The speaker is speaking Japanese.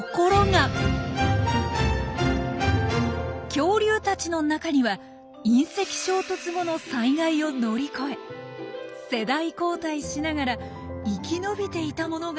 恐竜たちの中には隕石衝突後の災害を乗り越え世代交代しながら生き延びていたものがいたのではないか？